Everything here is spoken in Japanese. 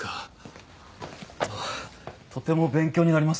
とても勉強になります。